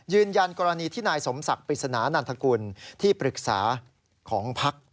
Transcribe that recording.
ยืนยันกรณีที่นายสมศักดิ์ปริศนานันทกุลที่ปรึกษาของพัก